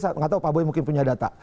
saya nggak tahu pak boy mungkin punya data